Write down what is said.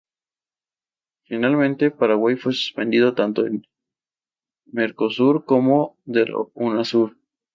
Finalmente, Paraguay fue suspendido tanto del Mercosur como de la Unasur.